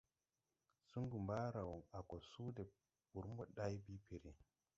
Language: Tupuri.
Sungu mbaaraw a go suu de wūr moday bii piiri.